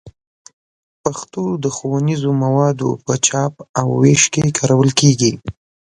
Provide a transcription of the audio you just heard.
پښتو د ښوونیزو موادو په چاپ او ویش کې کارول کېږي.